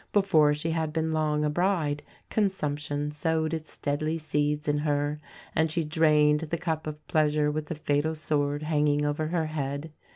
Before she had been long a bride consumption sowed its deadly seeds in her; and she drained the cup of pleasure with the fatal sword hanging over her head.